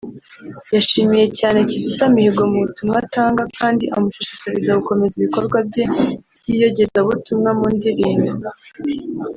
yashimiye cyane Kizito Mihigo mu butumwa atanga kandi amushishikariza gukomeza ibikorwa bye by’iyogezabutumwa mu ndirimbo